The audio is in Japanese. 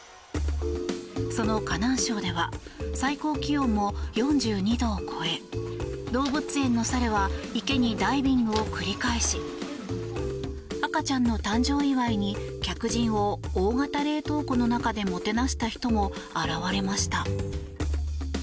その河南省では最高気温も４２度を超え動物園のサルは池にダイビングを繰り返し赤ちゃんの誕生祝いに客人を大型冷凍庫の中でもてなした人も現れました。